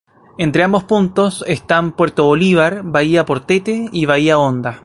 Entre ambos puntos están Puerto Bolívar, bahía Portete y bahía Honda.